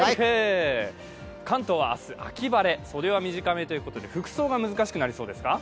関東は明日秋晴れ、袖は短めということで、服装が難しくなりそうですか？